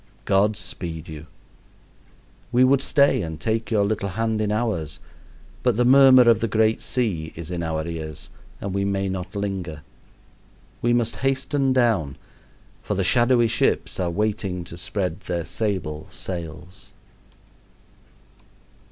God speed you! We would stay and take your little hands in ours, but the murmur of the great sea is in our ears and we may not linger. We must hasten down, for the shadowy ships are waiting to spread their sable sails.